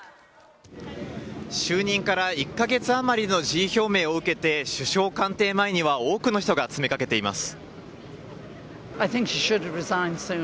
就任から１か月あまりの辞意表明を受けて、首相官邸前には多くの人が詰めかけています。